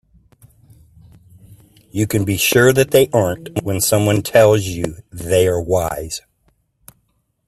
You can be sure that they aren't when someone tells you they are wise.